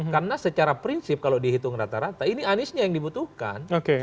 karena secara prinsip kalau dihitung rata rata ini aniesnya yang dibutuhkan